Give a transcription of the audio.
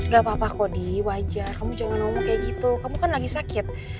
gak apa apa kodi wajar kamu jangan omong kayak gitu kamu kan lagi sakit